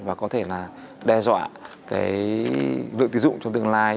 và có thể là đe dọa cái lượng tín dụng trong tương lai